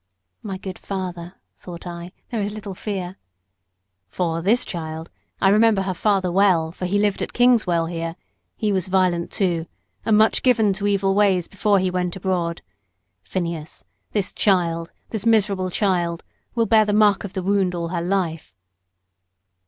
(My good father, thought I, there is little fear.) "For, this child I remember her father well, for he lived at Kingswell here; he was violent too, and much given to evil ways before he went abroad Phineas, this child, this miserable child, will bear the mark of the wound all her life."